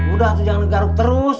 udah tuh jangan negaruk terus